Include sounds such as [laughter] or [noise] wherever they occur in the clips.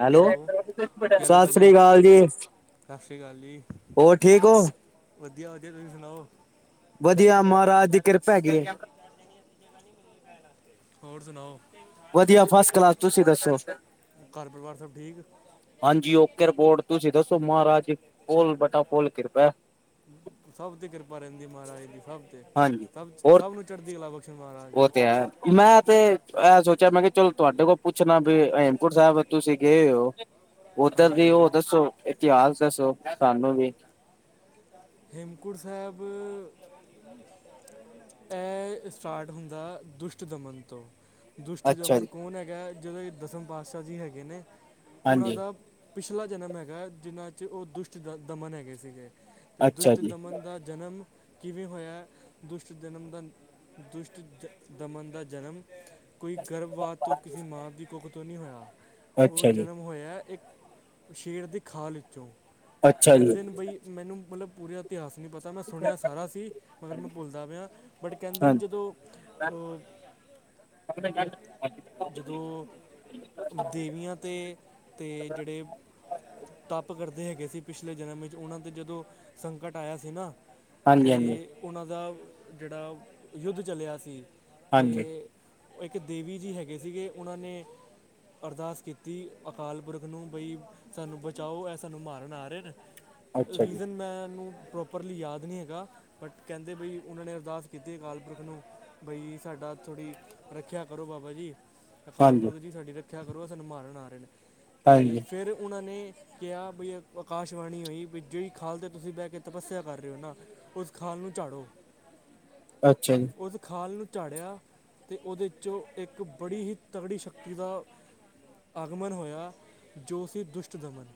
Hello ਕੀ ਹਾਲ ਹੈ ਸਤਿ ਭਾਜੀ ਸ਼੍ਰੀ ਅਕਾਲ ਜੀ ਸਤਿ ਸ਼੍ਰੀ ਅਕਾਲ ਜੀ ਹੋਰ ਠੀਕ ਐ। ਵਧੀਆ ਵਧੀਆ ਤੁਹੀਂ ਸੁਣਾਓ। ਵਧੀਆ ਮਹਾਰਾਜ ਦੀ ਕਿਰਪਾ ਹੈਗੀ ਏ। ਹੋਰ ਸੁਣਾਓ। ਵਧੀਆ ਫਸਟ ਕਲਾਸ ਤੁਸੀਂ ਦੱਸੋ। ਘਰ ਪਰਿਵਾਰ ਸਭ ਠੀਕ ਹਾਂਜੀ ਉਕੇ ਰਪੋਰਡ ਤੁਸੀਂ ਦੱਸੋ ਮਹਾਰਾਜ ਦੀ ਫੁੱਲ ਬਟਾ ਫੁੱਲ ਕਿਰਪਾ ਏ। ਸਭ ਤੇ ਕਿਰਪਾ ਰਹਿੰਦੀ ਮਹਾਰਾਜ ਦੀ ਸਭ ਤੇ ਹਾਂਜੀ ਸਭ ਹੋਰ ਸਭ ਨੂੰ ਚੜ੍ਹਦੀ ਕਲਾ ਬਖਸ਼ਣ ਮਹਾਰਾਜ। ਉਹ ਮੈਂ ਤੇ ਇਹ ਸੋਚਿਆ ਮੈਂ ਕਿਹਾ ਚਲੋ ਤੁਹਾਡੇ ਕੋਲ ਪੁੱਛਣਾ ਬੀ ਹੇਮਕੁੰਟ ਸਾਹਿਬ। ਤੁਸੀਂ ਗਏ ਹੋ ਉੱਧਰ ਹਾਂਜੀ ਵੀ ਉਹ ਹਾਂਜੀ ਦੱਸੋ ਇਤਿਹਾਸ ਦੱਸੋ ਸਾਨੂੰ ਵੀ। ਹੇਮਕੁੰਟ ਸਾਹਿਬ। ਇਹ ਸਟਾਰਟ ਹੁੰਦਾ ਦੁਸ਼ਟਦਮਨ ਤੋਂ। ਦੁਸ਼ਟ ਅੱਛਾ ਜਮਨ ਜੀ ਕੌਣ ਹੈਗਾ ਜਿਹੜੇ ਦਸਮ ਪਾਤਸ਼ਾਹ ਜੀ ਹੈਗੇ ਨੇ ਉਨ੍ਹਾਂ ਹਾਂਜੀ ਦਾ। ਪਿਛਲਾ ਜਨਮ ਹੈਗਾ ਜਿਨ੍ਹਾਂ 'ਚ ਉਹ ਦੁਸ਼ਟ ਦ ਦਮਨ ਹੈਗੇ ਸੀਗੇ। ਅਤੇ ਅੱਛਾ ਦੁਸ਼ਟ ਜੀ ਦਮਨ ਦਾ ਜਨਮ। ਕਿਵੇਂ ਹੋਇਆ ਦੁਸ਼ਟ ਜਨਮ ਦਾ ਦੁਸ਼ਟ ਦਮਨ ਦਾ ਜਨਮ। ਕੋਈ ਗਰਭਵਾਤ ਤੋਂ ਕਿਸੇ ਮਾਂ ਦੀ ਕੁੱਖ ਤੋਂ ਨੀ ਹੋਇਆ ਉਹ ਅੱਛਾ ਜੀ ਜਨਮ। ਹੋਇਆ ਇੱਕ ਸ਼ੇਰ ਦੀ ਖਾਲ ਵਿੱਚੋਂ ਅੱਛਾ ਜੀ ਕਹਿੰਦੇ ਨੇ ਬਈ ਮੈਨੂੰ ਮਲਬ। ਪੂਰੇ ਇਤਿਹਾਸ ਨੀ। ਤਾਂ ਮੈਂ ਸੁਣਿਆ ਸਾਰਾ ਸੀ ਮਗਰ ਮੈਂ ਭੁੱਲਦਾ ਪਿਆ ਬਟ ਕਹਿੰਦੇ ਹਾਂ ਨੇ ਜਦੋਂ। ਜਦੋਂ ਦੇਵੀਆਂ ਤੇ। ਤੇ ਜਿਹੜੇ ਤੱਪ ਕਰਦੇ ਹੈਗੇ ਸੀ ਪਿਛਲੇ ਜਨਮ 'ਚ ਉਹਨਾਂ 'ਤੇ ਜਦੋਂ। ਸੰਕਟ ਆਇਆ ਸੀ ਨਾ ਹਾਂਜੀ ਹਾਂਜੀ ਅਤੇ ਉਹਨਾਂ ਦਾ ਜਿਹੜਾ ਯੁੱਧ ਚੱਲਿਆ ਸੀ ਅਤੇ ਹਾਂਜੀ ਉਹ ਇੱਕ ਦੇਵੀ ਜੀ ਹੈਗੇ ਸੀਗੇ ਉਹਨਾਂ ਨੇ ਅਰਦਾਸ ਕੀਤੀ ਅਕਾਲ ਪੁਰਖ ਨੂੰ ਬਈ ਸਾਨੂੰ ਬਚਾਓ ਇਹ ਸਾਨੂੰ ਮਾਰਨ ਆ ਰਹੇ ਅੱਛਾ ਜੀ ਰੀਜ਼ਨ ਮੈਨੂੰ ਪ੍ਰੋਪਰਲੀ ਯਾਦ ਨਹੀਂ ਹੈਗਾ ਬਟ ਕਹਿੰਦੇ ਬਈ ਉਹਨਾਂ ਨੇ ਅਰਦਾਸ ਕੀਤੀ ਅਕਾਲ ਪੁਰਖ ਨੂੰ ਬਈ ਸਾਡਾ ਥੋੜ੍ਹੀ ਰੱਖਿਆ ਕਰੋ ਬਾਬਾ ਜੀ ਅਕਾਲ ਹਾਂਜੀ ਪੁਰਖ ਜੀ ਸਾਡੀ ਰੱਖਿਆ ਕਰੋ ਸਾਨੂੰ ਮਾਰਨ ਆ ਰਹੇ ਨੇ ਅਤੇ ਹਾਂਜੀ ਫਿਰ ਉਹਨਾਂ ਨੇ ਕਿਹਾ ਬਈ ਆਕਾਸ਼ਵਾਣੀ ਹੋਈ ਵੀ ਜਿਹੜੀ ਖਲ ਤੁਸੀਂ ਬਹਿ ਕੇ ਤਪੱਸਿਆ ਕਰ ਰਹੇ ਹੋ ਨਾ ਉਸ ਖਾਲ ਨੂੰ ਝਾੜੋ ਅੱਛਾ ਜੀ, ਉਸ ਖਾਲ ਨੂੰ ਝਾੜਿਆ ਅਤੇ ਉਹਦੇ 'ਚੋਂ ਇੱਕ ਬੜੀ ਹੀ ਤਗੜੀ ਸ਼ਕਤੀ ਦਾ ਆਗਮਨ ਹੋਇਆ ਜੋਸ਼ੀ ਦੁਸ਼ਟਦਮਨ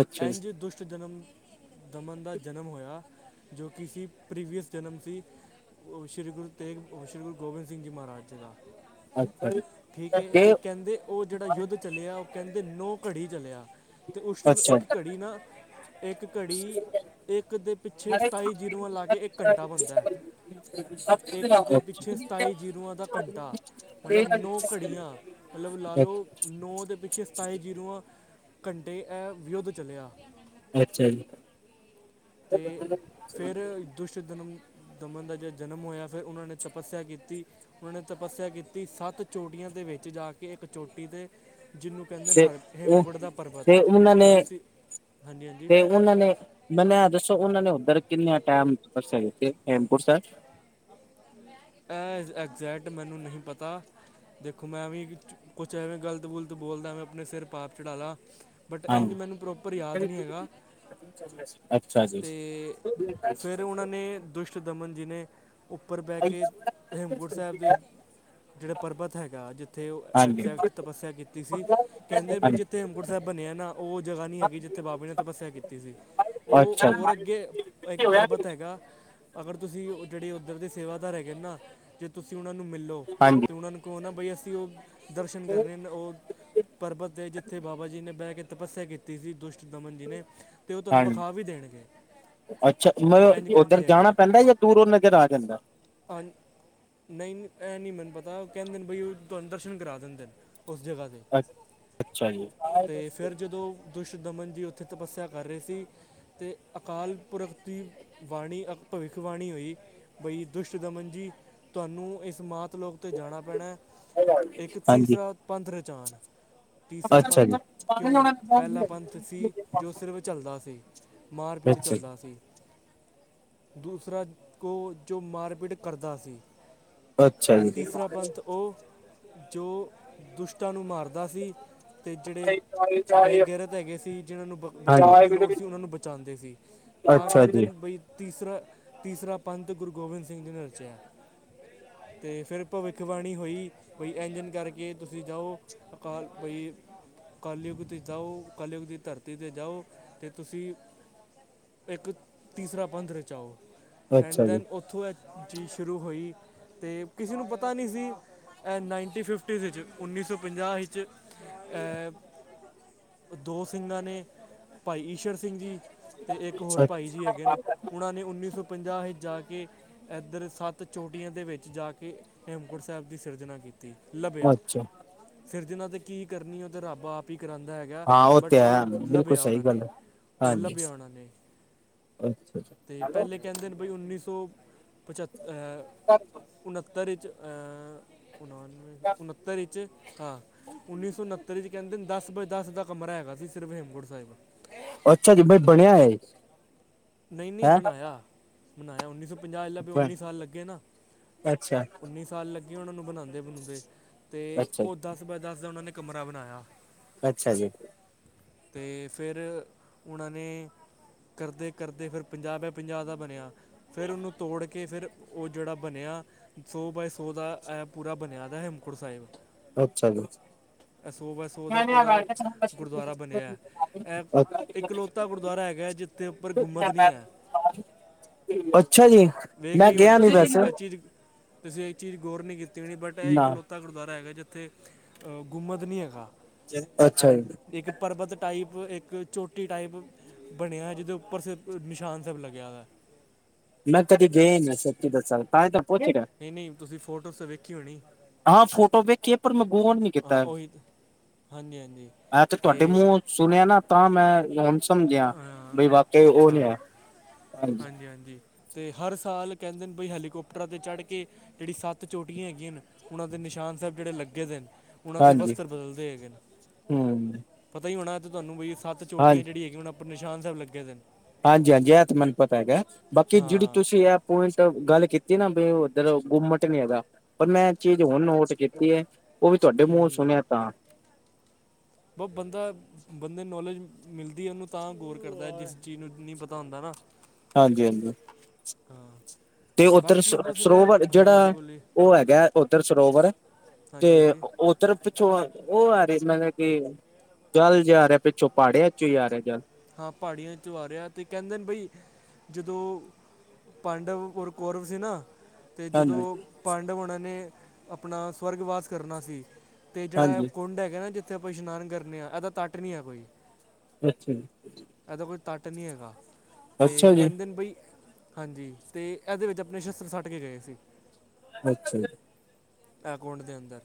ਅੱਛਾ ਜੀ, ਇੰਝ ਦੁਸ਼ਟਦਨਮ ਦਮਨ ਦਾ ਜਨਮ ਹੋਇਆ ਜੋ ਕਿ ਸੀ ਪ੍ਰੀਵੀਅਸ ਜਨਮ ਸੀ ਸ਼੍ਰੀ ਗੁਰੂ ਤੇਗ ਸ਼੍ਰੀ ਗੁਰੂ ਗੋਬਿੰਦ ਸਿੰਘ ਜੀ ਮਹਾਰਾਜ ਜੀ ਦਾ ਅੱਛਾ ਜੀ, ਠੀਕ ਏ ਤੇ ਕਹਿੰਦੇ ਉਹ ਜਿਹੜਾ ਯੁੱਧ ਚੱਲਿਆ ਉਹ ਕਹਿੰਦੇ ਨੌ ਘੜੀ ਚਲਿਆ ਅਤੇ ਉਸ ਅੱਛਾ। ਟਾਈਮ ਅੱਛਾ ਇੱਕ ਘੜੀ ਨਾ ਇੱਕ ਘੜੀ ਇੱਕ ਦੇ ਪਿੱਛੇ ਸਤਾਈ ਜੀਰੋਆਂ ਲਾਗੇ ਇੱਕ ਘੰਟਾ ਬਣਦਾ ਹੈ ਇੱਕ ਦੇ ਪਿੱਛੇ ਸਤਾਈ ਜ਼ੀਰੋਆਂ ਦਾ ਘੰਟਾ ਮਤਲਬ ਨੌ ਘੜੀਆਂ ਮਤਲਬ ਲਾ ਲਓ ਨੌ ਦੇ ਪਿੱਛੇ ਸਤਾਈ ਜ਼ੀਰੋ ਘੰਟੇ ਇਹ ਯੁੱਧ ਚੱਲਿਆ ਅੱਛਾ ਜੀ ਅਤੇ ਫਿਰ ਦਸ਼ ਦਿਨਮ ਦਮਨ ਦਾ ਜਿਾ ਜਨਮ ਹੋਇਆ ਫਿਰ ਉਹਨਾਂ ਨੇ ਤਪੱਸਿਆ ਕੀਤੀ ਉਹਨਾਂ ਨੇ ਤਪੱਸਿਆ ਕੀਤੀ ਸੱਤ ਚੋਟੀਆਂ ਦੇ ਵਿੱਚ ਜਾ ਕੇ ਇੱਕ ਚੋਟੀ ਤੇ ਜਿਹਨੂੰ ਕਹਿੰਦੇ ਤੇ ਹਰ ਉਹ ਹੇਮਕੁੰਟ ਦਾ ਪਰਬਤ ਤੇ ਉਹਨਾਂ ਫਿਰ ਨੇ ਤੁਸੀਂ ਹਾਂਜੀ ਹਾਂਜੀ ਮੈਨ ਦੱਸੋ ਉਹਨਾ ਨੇ ਉਧਰ ਕਿੰਨੇ ਟਮ ਦਿਆਮਪੁਰ ਇਹ ਐਗਜੈਕਟ ਮੈਨੂੰ ਨਹੀਂ ਪਤਾ ਦੇਖੋ ਮੈਂ ਵੀ ਕੁਛ ਐਂਵੇਂ ਗਲਤ ਗੁਲਤ ਬੋਲਦਾ ਮੈਂ ਆਪਣੇ ਸਿਰ ਪਾਪ ਚੜ੍ਹਾਲ ਲਾ ਬਟ ਇੰਝ ਹਾਂਜੀ, ਮੈਨੂੰ ਪ੍ਰੋਪਰ ਯਾਦ ਨਹੀਂ ਹੈਗਾ ਅੱਛਾ ਜੀ, ਤੇ ਫੇਿਰ ਉਹਨਾਂ ਨੇ ਦੁਸ਼ਟ ਦਮਨ ਜੀ ਨੇ ਉੱਪਰ ਬਹਿ ਕੇ ਹੇਮਕੁੰਟ ਸਾਹਿਬ ਦੇ ਜਿਹੜਾ ਪਰਬਤ ਹੈਗਾ ਜਿੱਥੇ ਉਹ ਹਾਂਜੀ। ਐਗਜੈਕਟ ਤਪੱਸਿਆ ਕੀਤੀ ਸੀ ਕਹਿੰਦੇ ਬਈ ਜਿੱਥੇ ਹਾਂਜੀ। ਹਮਕੋਟ ਸਾਹਿਬ ਬਣਿਆ ਨਾ ਉਹ ਜਗ੍ਹਾ ਨਹੀਂੀ ਹੈਗੀ ਜਿੱਥੇ ਬਾਬੇ ਨੇ ਤਪੱਸਿਆ ਕੀਤੀ ਸੀ ਉਹ ਅੱਛਾ ਹੋਰ ਅੱਗੇ ਇੱਕ ਪਰਬਤ ਹੈਗਾ ਅਗਰ ਤੁਸੀਂ ਉਹ ਜਿਹੜੇ ਉੱਧਰ ਦੇ ਸੇਵਾਦਾਰ ਹੈਗੇ ਨੇ ਨਾ ਜੇ ਤੁਸੀਂ ਉਹਨਾਂ ਨੂੰ ਮਿਲੋ ਹਾਂਜੀ ਤਾਂ ਉਹਨਾਂ ਨੂੰ ਕੌ ਨਾ ਬਈ ਅਸੀਂ ਉਹ ਦਰਸ਼ਨ ਕਰਨੇ ਉਹ ਪਰਬਤ ਹੈ ਜਿੱਥੇ ਬਾਬਾ ਜੀ ਨੇ ਬਹਿ ਕੇ ਤਪੱਸਿਆ ਕੀਤੀ ਸੀ ਦੁਸ਼ਟ ਦਮਨ ਜੀ ਨੇ ਅਤੇ ਉਹ ਤੁਹਾਨੂੰ ਹਾਂਜੀ ਵਿਖਾਅ ਵੀ ਦੇਣਗੇ ਅੱਛਾ ਉਹ ਇੰਜ ਮਤਲਬ ਉੱਧਰ ਕਰਦੇ ਹੈਗੇ ਜਾਣਾ ਪੈਂਦਾ ਜਾਂ ਦੂਰ ਨਜ਼ਰ ਆ ਜਾਂਦਾ ਔਨ ਨਹੀਂ ਇਹ ਨਹੀਂ ਮੈਨੂੰ ਪਤਾ ਕਹਿੰਦੇ ਬਾਈ ਉਹ ਤੁਹਾਨੂੰ ਦਰਸ਼ਨ ਕਰਾ ਦਿੰਦੇ ਨੇ ਉਸ ਜਗ੍ਹਾ ਦੇ ਅ ਅੱਛਾ ਜੀ ਤੇ ਫਿਰ ਜਦੋਂ ਦੁਸ਼ ਦਮਨ ਜੀ ਉੱਥੇ ਤਪੱਸਿਆ ਕਰ ਰਹੇ ਸੀ ਅਤੇ ਅਕਾਲ ਪੁਰਖ ਦੀ ਬਾਾਣੀ ਅ ਭਵਿੱਖਬਾਣੀ ਹੋਈ ਬਈ ਦੁਸ਼ਟ ਦਮਨ ਜੀ ਤੁਹਾਨੂੰ ਇਸ ਮਾਤ ਲੋਕ ਉੱਤੇ ਜਾਣਾ ਪੈਣਾ ਇੱਕ ਹਾਂਜੀ ਤੀਸਰਾ ਪੰਥ ਰਚਾਨ ਤੀਸਰਾ ਅੱਛਾ ਜੀ ਪੰਥ ਕਿਉਂ ਅੱਛਾ ਪਹਿਲਾ ਜੀ ਪੰਥ ਸੀ ਜੋ ਸਿਰਫ ਚੱਲਦਾ ਸੀ ਮਾਰਪੀਟ ਚੱਲਦਾ ਸੀ ਦੂਸਰਾ ਕੋ ਜੋ ਮਾਰਪੀਟ ਕਰਦਾ ਸੀ। ਅੱਛਾ ਅਤੇ ਜੀ ਤੀਸਰਾ ਪੰਥ ਉਹ ਜੋ ਦੁਸ਼ਟਾਂ ਨੂੰ ਮਾਰਦਾ ਸੀ। ਅਤੇ ਜਿਹੜੇ ਬੇਗੈਰਤ ਹੈਗੇ ਸੀ ਜਿਹਨਾਂ ਨੂੰ ਬ ਬਚਾਣ ਹਾਂਜੀ ਦੀ ਲੋੜ ਸੀ ਓਹਨਾਂ ਨੂੰ ਬਚਾੰਦੇ ਸੀ। ਤਾਂ ਅੱਛਾ ਜੀ ਕੈੰਦੇਣ ਬਈ ਤੀਸਰਾ, ਤੀਸਰਾ ਪੰਥ ਗੁਰੂ ਗੋਬਿੰਦ ਸਿੰਘ ਜੀ ਨੇ ਰਚਿਆ। ਤੇ ਫਿਰ ਭਵਿੱਖਵਾਣੀ ਹੋਈ। ਕੋਈ ਐੰਜ-ਐੰਜ ਕਰਕੇ ਤੁਸੀਂ ਜਾਓ। ਅਕਾਲ ਬਈ ਕਲਯੁੱਗ ਤੇ ਜਾਓ। ਕਲਯੁੱਗ ਦੀ ਧਰਤੀ 'ਤੇ ਜਾਓ ਤੇ ਤੁਸੀਂ ਏਕ ਤੀਸਰਾ ਪੰਧ ਰਚਾਓ। ਅੱਛਾ ਜੀ। ਓਥੋਂ ਐਹ ਚੀਜ਼ ਸ਼ੁਰੂ ਹੋਈ। ਤੇ ਕਿਸੇ ਨੂੰ ਪਤਾ ਨੀ ਸੀ ਐ ਨਾਈਟੀ ਫਿਫਟੀਜ਼ ਇਚ ਉੱਨੀ ਸੌ ਪੰਜਾਹ ਹਿਚ ਅਹ ਦੋ ਸਿੰਘਾਂ ਨੇ ਭਾਈ ਈਸ਼ਰ ਸਿੰਘ ਜੀ। ਤੇ ਇੱਕ ਹੋਰ ਅੱ ਭਾਈ ਜੀ ਹੈਗੇ ਨੇ ਓਹਨਾਂ ਨੇ ਉੱਨੀ ਸੌ ਪੰਜਾਹ ਜਾ ਕੇ ਐਧਰ ਸੱਤ ਚੋਟੀਆਂ ਦੇ ਵੇਚ ਜਾ ਕੇ ਹੇਮਕੁੰਟ ਸੈਬ ਦੀ ਸਰਜਣਾ ਕੀਤ ਕੀਤੀ, ਲੱਭਿਆ। ਅੱਛਾ ਸਿਰਜਿਨਾਂ ਤੇ ਕੀ ਕਰਨੀ ਓਹ ਤੇ ਰੱਬ ਆਪ ਤੀ ਕਰਾੰਦਾ ਹੈਗੈ। ਹਾਂ ਉਹ ਤੇ ਬਟ ਓਹ ਹੈ ਬਿਲਕੁਲ ਲੱਭਿਆ। ਸਹੀ ਓਹਨਾਂ ਨੇ ਗੱਲ ਹੈ ਓਹ ਹਾਂਜੀ ਲੱਭਿਆ ਓਹਨਾਂ ਨੇ। ਅੱਛਾ- ਅੱਛਾ। ਹੈਲੋ, ਕੈੰਦੇ ਨੇ ਬਈ ਉੱਨੀ ਸੌ ਪਚੱਤ, ਉਣ੍ਹੱਤਰ 'ਚ ਅ ਉਣਾਣਵੇਂ, ਉਣੱਤਰ ਇਚ ਹਾਂ। ਉੱਨੀ ਸੌ ਉਣੱਤਰ ਚ ਕੈੰਦੇਣ ਦਸ ਬਾਏ ਦਸ ਦਾ ਕਮਰਾ ਹੈਗਾ ਸੀ ਸਿਰਫ਼ ਹੇਮਕੂੰਟ ਸਾਹਿਬ। ਅੱਛਾ ਜੀ, ਬਈ ਬਣਿਆ ਏ। ਨਹੀਂ- ਨਹੀਂ ਬਣਾਯਾ, ਬਣਾਯਾ ਉੱਨੀੌ ਸੋ ਪੰਜਾਹ ਲਭੇ। ਹੈਂ ਉੱਨੀ ਸਾਲ ਲੱਗੇ ਨਾ ਅੱਛਾ ਉੱਨੀ ਸਾਲ ਲੱਗੇ, ਓਹਨਾਂ ਨੂੰ ਬਣਾੰਦੇ- ਬਣੂੰਦੇ। ਤੇ ਅੱਛਾ ਜੀ ਓਹ ਦਸ ਬਾਏ ਦਸ ਦਾ ਓਹਨਾਂ ਨੇ ਕਮਰਾ ਬਣਾਯਾ। ਅੱਛਾ ਜੀ। ਤੇ ਫੇਰ ਓਹਨਾਂ ਨੇ ਕਰਦੇ ਕਰਦੇ ਫਿਰ ਪੰਜਾਹ ਬਾਏ ਪੰਜਾਹ ਦਾ ਬਣਿਆ। ਫਿਰ ਔਨੂੰ ਤੋੜ ਕੇ ਫਿਰ ਓਹ ਜੇੜਾ ਬਣਿਆ ਸੌ ਬਾਏ ਸੌ ਦਾ ਐ ਪੂਰਾ ਬਣਿਆ ਦਾ ਏ ਹੇਮਕੁੰਟ ਸਾਹਿਬ। ਅੱਛਾ ਜੀ। ਐਸੋ ਬਾਏ ਸੋ ਦਾ ਪੂਰਾ ਗੁਰਦੁਆਰਾ ਬਣਿਐ। ਐਹ ਇੱਕ ਲੋਕ ਤਾ ਗੁਰਦੁਆਰਾ ਹੈਗੈ। ਜਿੱਥੇ ਗੁੰਮਤ ਨੀ ਹੈ। ਅੱਛਾ ਜੀ। ਵੇਖਿਆ ਮੈਂ ਹੀ ਗਿਆ ਹੋਣਾ ਨੀ ਤੁਸੀਂ ਵੈਸੇ, ਐਹ ਚੀ ਜ ਤੁਸੀਂ ਏਹ ਚੀਜ਼ ਗੌਰ ਨ੍ਹੀਂ ਕੀਤੀ ਹੋਣੀ। ਬਟ ਐਹ ਨਾ ਇੱਕਲੋ ਤਾ ਗੁਰਦੁਆਰਾ ਹੈਗੈ, ਜਿੱਥੇ ਗੁੰਮੱਦ ਨ੍ਹੀਂ ਹੈਗਾ। ਅੱਛਾ ਜੀ। ਇੱਕ ਪਰਬਤ ਟਾਈਪ ਇੱਕ ਚੋਟੀ ਟਾਈਪ ਬਣਿਆ ਜਿਹਦੇ ਉੱਪਰ ਸਿਰਫ ਨਿਸ਼ਾਨ ਸੈਬ ਲੱਗਿਆ ਦੈ। ਮੈਂ ਕਦੀ ਗਏ ਨੀ ਸਚੀ ਦਸਾਂ ਤੇ ਤਾਂਏ ਤਾਂ ਪੋਛ ਰੀਆ। ਨਹੀਂ- ਨਹੀਂ ਤੁਸੀਂ ਫੋਟੋਜ਼ ਤੇ ਵੇਖੀ ਹੋਣੀ। ਹਾਂ, ਫੋਟੋ ਵੇਖੀ ਏ, ਪਰ ਮੈਂ ਗੋਰ ਨੀ ਹਾਂ ਕੀਤਾ। ਉਹੀ ਹਾਂਜੀ ਹਾਂਜੀ ਆਹ ਤੇ ਤੁਹਾਡੇ ਮੂੰਹੋ ਸੁਣਿਆ ਨਾ ਤਾਂ ਮੈਂ ਹੁਣ ਸਮਝਿਆ, ਅਹ, ਬਈ ਵਾਕੇ ਓਹ ਨੀ ਅੱਛਾ ਹੈ। ਹਾਂਜੀ- ਹਾਂਜੀ, ਤੇ ਹਰ ਸਾਲ ਕੈੰਦੇ ਨੇ ਬਈ ਹੈਲੀਕੋਪਟਰਾਂ 'ਤੇ ਚੜ੍ਹ ਕੇ ਜੇੜੀ ਸੱਤ ਚੋਟੀਆਂ ਹੈਗੀਆਂ ਨੇ ਓਹਨਾਂ ਦੇ ਨਿਸ਼ਾਨ ਸੈਬ ਜੇੜੇ ਲੱਗੇ ਦੇਣ ਓਹਨਾਂ ਦੇ ਹਾਂਜੀ, ਵਸਤਰ ਬਦਲਦੇ ਹੈਗੇਣੇ। ਹੂੰ ਪਤਾ ਹੀ ਹੋਣਾ ਤੇ ਤੁਹਾਨੂੰ ਬਈ ਸੱਤ ਚੋਟੀਆਂ ਹਾਂਜੀ। ਜੇੜੀ ਹੈਗੀਆ ਓਨਾ ਔਪਰ ਨਿਸ਼ਾਨ ਸੈਬ ਲੱਗੇ ਦੇਨੇ। ਹਾਂਜੀ -ਹਾਂਜੀ, ਐਹ ਤੇ ਮੈਨੂੰ ਪਤਾ ਹੈਗੈ। ਬਾਕੀ ਜਿੜੀ ਹਾਂ ਤੁਸੀਂ ਐਹ ਪੋਇੰਟ ਗੱਲ ਕੀਤੀ ਏਨਾ ਬਈ ਔਧਰ ਗੁਮੰਟ ਨੀ ਹੈਗਾ। ਪਰ ਮੈਂ ਚੀਜ਼ ਹੋਣ ਨੋਟ ਕੀਤੀ ਏ। ਓਹ ਵੀ ਤੁਹਾਡੇ ਹੂੰ ਮੂੰਹੋ ਸੁਣਿਆ ਤਾਂ। ਬ ਬੰਦਾ ਬੰਦੇ ਨੌਲੇਜ ਮਿਲਦੀ ਏ ਓਹਨੂੰ ਤਾਂ ਗੌਰ ਕਰਦਾ ਜਿਸ ਚੀਜ਼ ਨੂੰ ਨੀ ਪਤਾ ਹੁੰਦਾ ਨਾ। ਹਾਂਜੀ-ਹਾਂਜੀ। ਹਾਂ। ਤੇ ਉੱਧਰ ਬਾਕੀ ਬਸ ਰਹਿਣ ਸਰੋਵਰ ਹਾਂਜੀ ਹਾਂਜੀ ਜਿਹੜਾ ਬੋਲੀ ਉਹ ਹੈਗਾ ਓਧਰ ਸਰੋਵਰ ਹਾਂਜੀ ਤੇ ਹਾਂਜੀ ਉਹ ਫੇਰ ਪਿੱਛੋਂ ਉਹ ਆ ਰਹੀ ਮਤਲਬ ਕਿ ਜਲ ਜਾ ਆ ਰਿਹਾ ਪਿੱਛੋਂ ਪਹਾੜਿਆਂ ਚੋਂ ਹੀ ਆ ਰਿਹਾ ਜਲ। ਹਾਂ ਪਹਾੜੀਆਂ ਚੋਂ ਆ ਰਿਹਾ ਤੇ ਕਹਿੰਦੇ ਨੇ ਬਈ ਜਦੋਂ ਪਾਂਡਵ ਔਰ ਕੋਰਵ ਸੀ ਨਾ ਤੇ ਹਾਂਜੀ ਜਦੋਂ ਪਾਂਡਵ ਉਹਨਾਂ ਨੇ ਆਪਣਾ ਸਵਰਗਵਾਸ ਕਰਨਾ ਸੀ ਤੇ ਜਿਹੜਾ ਹਾਂਜੀ ਕੁੰਡ ਹੈਗਾ ਨਾ ਜਿੱਥੇ ਆਪਾ ਇਸ਼ਨਾਨ ਕਰਨੇ ਹਾ ਇਹਦਾ ਤੱਟ ਨੀ ਹੈ ਕੋਈ। ਅੱਛਾ ਜੀ ਇਹਦਾ ਕੋਈ ਤੱਟ ਨੀ ਹੈਗਾ ਤੇ ਅੱਛਾ ਜੀ ਕਹਿੰਦੇ ਨੇ ਬਈ ਹਾਂਜੀ ਤੇ ਇਹਦੇ ਵਿੱਚ ਆਪਣੇ ਸ਼ਸਤਰ ਸੱਟ ਕੇ ਗਏ ਸੀ। ਅੱਛਾ ਜੀ ਇਹ ਕੁੰਡ ਦੇ ਅੰਦਰ।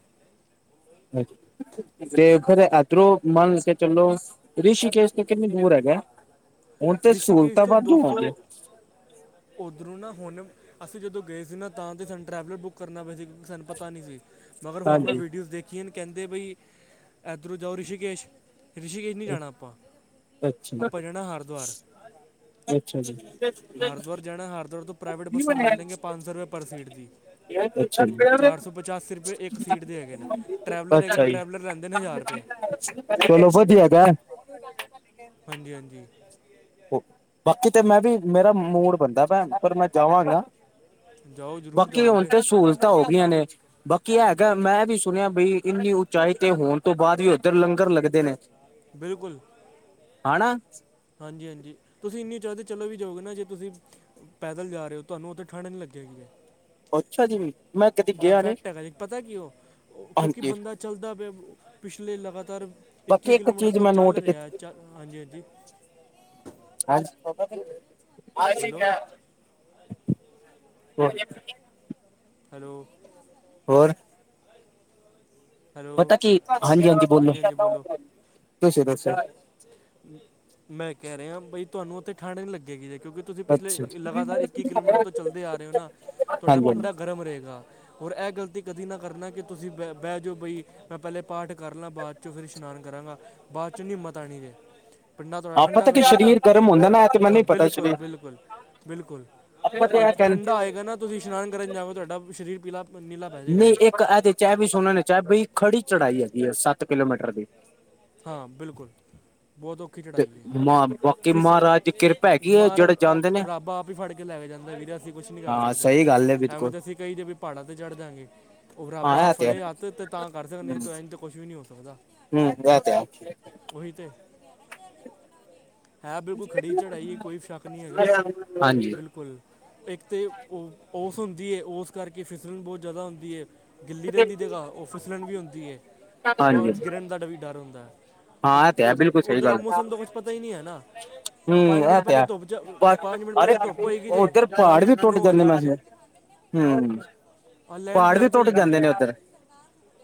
[unintelligible] ਤੇ ਫੇਰ ਐਦਰੋਂ ਮੰਨ ਕੇ ਚਲੋ ਰਿਸ਼ੀਕੇਸ਼ ਤੋਂ ਕਿੰਨੀ ਦੂਰ ਹੈਗਾ? ਹੁਣ ਤੇ ਸਹੂਲਤਾਂ ਵਾਧੂ ਹੋ ਗਈਆ। ਉੱਧਰੋਂ ਨਾ ਹੁਣ ਅਸੀ ਜਦੋ ਗਏ ਸੀ ਨਾ ਤਾਂ ਤੇ ਸਾਨੂੰ ਟਰੈਵਲਰ ਬੁੱਕ ਕਰਨਾ ਪਿਆ ਸੀ ਕਿਉਂਕਿ ਸਾਨੂੰ ਪਤਾ ਨੀ ਸੀ। ਮਗਰ ਹੁਣ ਮੈਂ ਹਾਂਜੀ ਵੀਡੀਓਜ਼ ਦੇਖੀਆਂ ਨੇ ਕਹਿੰਦੇ ਭਾਈ ਇੱਦਰੋਂ ਜਾਓ ਰਿਸ਼ਕੇਸ਼। ਰਿਸ਼ੀਕੇਸ਼ ਨੀ ਜਾਣਾ ਆਪਾ, ਅੱਛਾ ਆਪਾ ਜਾਣਾ ਹਰਦੁਆਰ। ਅੱਛਾ ਜੀ ਹਰਿਦੁਆਰ ਜਾਣਾ ਹਰਿਦੁਆਰ ਤੋਂ ਪ੍ਰਾਈਵੇਟ ਬੱਸਾਂ ਮਿਲਣਹੀਗੀਆਂ ਪੰਜ ਸੌ ਰੁਪਏ ਪਰ ਸੀਟ ਦੀ। ਅੱਛਾ ਜੀ। ਚਾਰ ਸੌ ਪਚਾਸੀ ਰੁਪਏ ਇੱਕ ਸੀਟ ਦੇ ਹੈਗੇ ਨੇ ਟ੍ਰੈਵਲਰ ਹੈਗੇ ਨੇ ਟਰੈਵਲਰ ਲੈਂਦੇ ਨੇ ਹਜ਼ਾਰ ਰੁਪਏ। ਚੋਲੋ ਵਧੀਆ ਹੈਗਾ। ਹਾਂਜੀ-ਹਾਂਜੀ ਬਾਕੀ ਤੇ ਮੈਂ ਵੀ ਮੇਰਾ ਮੂਡ ਬਣਦਾ ਪਿਆ ਪਰ ਮੈਂ ਜਾਵਾਂਗਾ। ਜਾਓ ਜ਼ਰੂਰ ਬਾਕੀ ਜਾਓ ਹੁਣ ਵੀਰੇ ਤੇ ਸਹੂਲਤਾਂ ਹੋ ਗਈਆਂ ਨੇ। ਬਾਕੀ ਏ ਹੈਗਾ ਮੈਂ ਵੀ ਸੁਣਿਆ ਬਈ ਇੰਨੀ ਉਚਾਈ ਤੇ ਹੋਣ ਤੋ ਬਾਦ ਵੀ ਉੱਧਰ ਲੰਗਰ ਲੱਗਦੇ ਨੇ। ਬਿਲਕੁਲ ਹਣਾ ਹਾਂਜੀ-ਹਾਂਜੀ ਤੁਸੀਂ ਇੰਨੀ [unintelligible] ਚਲੋ ਵੀ ਜਾਓਗੇ ਨਾ ਜੇ ਤੁਸੀ ਪੈਦਲ ਜਾ ਰਹੇ ਹੋ ਤੁਹਾਨੂੰ ਉੱਥੇ ਠੰਡ ਨੀ ਲੱਗੇਗੀ ਜੇ। ਅੱਛਾ ਜੀ ਵੀ। ਇਹ ਫੈਕਟ ਹੈਗਾ ਜੇ ਪਤਾ ਕਿਉਂ ਹਾਂਜੀ। ਬੰਦਾ ਚਲਦਾ ਪਿਆ ਪਿਛਲੇ ਲਗਾਤਾਰ ਇੱਕੀ ਬਾਕੀ ਇੱਕ ਕਿਲੋਮੀਟਰ ਚੀਜ਼ ਤੋਂ ਮੈਂ ਚੱਲ ਨੋਟ ਰਿਹਾ ਕੀਤੀ ਚ ਹਾਂਜੀ-ਹਾਂਜੀ। ਬੋਲੋ [unintelligible] [unintelligible] ਹੈਲੋ ਹੋਰ ਹੈਲੋ ਪਤਾ ਕੀ ਹਾਂਜੀ-ਹਾਂਜੀ ਬੋਲੋ ਹਾਂਜੀ ਹਾਂਜੀ ਬੋਲੋ ਤੁਸੀ ਦੱਸੋ। ਮੈਂ ਕਹਿ ਰਿਹਾ ਬਈ ਤੁਹਾਨੂੰ ਉੱਥੇ ਠੰਢ ਨੀ ਲੱਗੇਗੀ ਜੇ ਕਿਉਂਕਿ ਤੁਸੀਂ ਪਿਛਲੇ ਅੱਛਾ ਲਗਾਤਾਰ ਇੱਕੀ ਕਿਲੋਮੀਟਰ ਤੋ ਚੱਲਦੇ ਆ ਰਹੇ ਹੋ ਨਾ ਤੁਹਾਡਾ ਹਾਂਜੀ ਹਾਂਜੀ ਪਿੰਡਾ ਗਰਮ ਰਹੇਗਾ। ਹੋਰ ਇਹ ਗਲਤੀ ਕਦੀ ਨਾ ਕਰਨਾ ਕਿ ਤੁਸੀ ਬਹਿ ਬਹਿ ਜਾਓ ਬਈ ਮੈਂ ਪਹਿਲੇ ਪਾਠ ਕਰ ਲਾ ਬਾਦ ਚੋਂ ਫਿਰ ਇਸ਼ਨਾਨ ਕਰਾਂਗਾ ਬਾਦ ਚੋ ਨੀ ਹਿੰਮਤ ਆਣੀ ਜੇ। ਪਿੰਡਾ ਥੋੜਾ ਆਪਾਂ ਠੰਡਾ ਤਾਂ ਕਿ ਪਹਿ ਜਾਏਗਾ, ਸਰੀਰ ਗਰਮ ਹੁੰਦਾ ਨਾ ਇਹ ਤੇ ਮੈਨੂੰ ਹਾਂ ਨਹੀਂ ਪਤਾ ਸਰੀਰ ਬਿਲਕੁਲ-ਬਿਲਕੁਲ। ਬਿਲਕੁਲ ਆਪਾਂ ਤੇ ਇਹ ਕਹਿ ਠੰਡਾ ਹੋਏਗਾ ਨਾ ਤੁਸੀ ਇਸ਼ਨਾਨ ਕਰਨ ਜਾਓ ਤੁਹਾਡਾ ਸਰੀਰ ਪੀਲਾ ਨੀਲਾ ਪੈ ਜਾਏਗਾ ਨਈ ਜੇ ਇੱਕ ਇਹ ਦੇ ਚ ਇਹ ਵੀ ਸੁਣਨ ਚ ਆਇਆ ਬਈ ਖੜੀ ਚੜਾਈ ਹੈਗੀ ਹੈ ਸੱਤ ਕਿਲੋਮੀਟਰ ਦੀ। ਹਾਂ ਬਿਲਕੁਲ ਬਹੁਤ ਓ ੱਖੀ ਤੇ ਚੜਾਈਏ ਮਾਂ ਬਾਕੀ ਫ ਮਹਾਰਾਜ ਦੀ ਕਿਰਪਾ ਹੈਗੀ ਹੈ ਮਾਰਨ ਜਿਹੜੇ ਜਾਂਦੇ ਨੇ ਰੱਬ ਆਪ ਹੀ ਫੜ ਕੇ ਲੈ ਕੇ ਜਾਂਦਾ ਵੀਰ ਅਸੀਂ ਕੁਛ ਨੀ ਕਰ ਹਾਂ ਸਕਦੇ ਸਹੀ ਗੱਲ ਹੈ ਐਵੇਂ ਬਿਲਕੁਲ ਤਾਂ ਅਸੀਂ ਕਈ ਜ ਵੀ ਪਹਾੜਾਂ ਤੇ ਚੜ੍ਹ ਦਗੇ ਉਹ ਬਰਾੱਬ ਹਾਂ ਆਪ ਇਹ ਤੇ ਹੈ ਫੜੇ ਹੱਥ ਤੇ ਤਾਂ ਕਰ ਸਕਦੇ ਇਨ ਤੇ ਕੁਛ ਵੀ ਨਹੀਂੀ ਹੋ ਸਕਦਾ ਹਮ ਰਾ ਤੇ ਆ ਉਹੀ ਤੇ। ਹੈ ਬਿਲਕੁਲ ਖੜ੍ਹੀ ਚੜ੍ਹਾਈ ਹੈ ਕੋਈ ਸ਼ੱਕ ਨਹੀਂ ਹੈਗਾ ਹਾਂਜੀ ਬਿਲਕੁਲ। ਇੱਕ ਤਾਂ ਓਸ, ਹੁੰਦੀ ਏ ਓਸ ਕਰਕੇ, ਫਿਸਲਣ ਬਹੁਤ ਜ਼ਿਆਦਾ ਹੁੰਦੀ ਏ ਗਿੱਲੀ ਰਹਿੰਦੀ ਜਗਾ, ਉਹ ਫਿਸਲਣ ਵੀ ਹੁੰਦੀ ਏ, ਉਹ ਬਹੁਤ ਹਾਂਜੀ ਗਿਰਨ ਦਾ ਵੀ ਡਰ ਹੁੰਦਾ। ਹਾਂ ਇਹ ਤੇ ਹੈ ਬਿਲਕੁਲ ਸਹੀ ਉੱਧਰ ਗੱਲ ਮੌਸਮ ਦਾ, ਕੁਛ ਪਤਾ ਹੀ ਨਹੀਂ ਹੈ ਨਾ। ਹੂੰ ਪੰਜ ਮਿੰਟ, ਇਹ ਤੇ ਪਹਿਲੇ ਹੈ। ਧੁੱਪ, ਚ ਪੰਜ ਮਿੰਟ ਅਰੇ ਪਹਿਲੇ ਧੁੱਪ ਹੋਏਗੀ ਜੇ, ਨਾਲ ਹੀ ਸਨੋਹ ਆ ਜਾਏਗੀ ਜੇ। ਹੁ ਆ ਪਹਾੜ ਵੀ ਲੈਂਡਸਲਾਈਡ ਤੇ ਟੁੱਟ ਹੁੰਦੀ ਜਾਂਦੇ ਨੇ ਉੱਧਰ,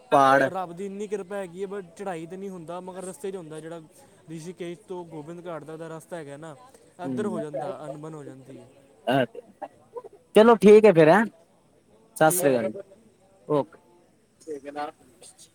ਪਹਾੜ ਉਹਦੀ ਇੰਨੀ ਕਿਰਪਾ ਹੈਗੀ ਹੈ, ਬਟ ਚੜ੍ਹਾਈ ਤਾਂ ਨਹੀਂ ਹੁੰਦਾ। ਮਗਰ ਰਸਤੇ 'ਚ ਹੁੰਦਾ ਜਿਹੜਾ ਰਿਸ਼ੀਕੇਸ ਤੋਂ ਗੋਬਿੰਦ ਘਾਟ ਦਾ, ਰਸਤਾ ਹੈਗਾ ਨਾ ਇੱਧਰ ਹਮ ਹੋ ਜਾਂਦਾ ਅਨਬਨ ਹੋ ਜਾਂਦੀ ਹੈ [inaudible] ਅ ਚਲੋ ਠੀਕ ਹੈ ਫੇਿਰ ਹੈਂ ਸਤਿ ਠੀਕ ਹੈ ਸ੍ਰੀ ਅਕਾਲ ਜ ਵੀਰੇ ਓਕੇ ਠੀ [inaudible]